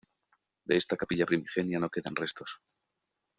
De esta capilla primigenia no quedan restos.